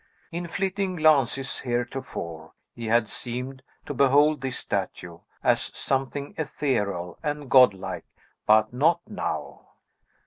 In flitting glances, heretofore, he had seemed to behold this statue, as something ethereal and godlike, but not now.